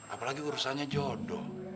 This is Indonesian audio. apalagi urusannya jodoh